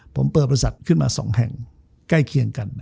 ผมเปิดบริษัทขึ้นมา๒แห่งใกล้เคียงกัน